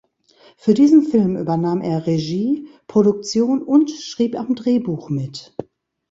Für diesen Film übernahm er Regie, Produktion und schrieb am Drehbuch mit.